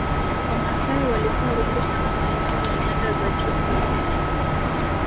Wamasai walikuwa wengi sana maeneo ya nyanda za juu mwa Kenya